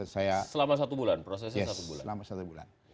selama satu bulan prosesnya satu bulan